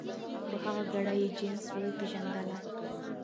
په هغه ګړي یې جنس وو پیژندلی